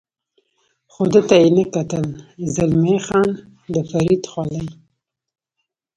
خو ده ته یې نه کتل، زلمی خان د فرید خولۍ.